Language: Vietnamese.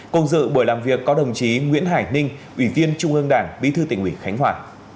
cùng dự buổi làm việc có đồng chí nguyễn hải ninh ủy viên trung ương đảng bí thư tỉnh ủy khánh hòa